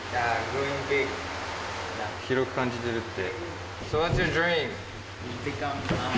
広く感じてるって。